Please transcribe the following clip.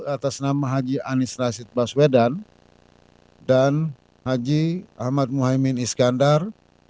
atas nama haji anies rashid baswedan dan haji ahmad muhaymin iskandar